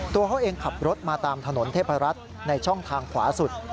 ตัวเขาเองขับรถมาตามถนนเทพรัฐในช่องทางขวาสุด